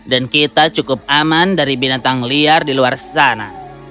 dan kita cukup aman dari binatang liar di luar sana